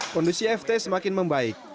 kondisi ft semakin membaik